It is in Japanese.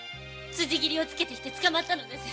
辻斬りをつけてきて捕まったのです。